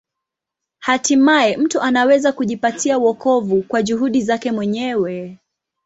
Hatimaye mtu anaweza kujipatia wokovu kwa juhudi zake mwenyewe.